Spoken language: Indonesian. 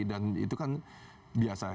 dan itu kan biasa